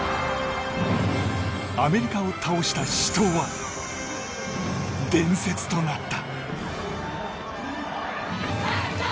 アメリカを倒した死闘は伝説となった。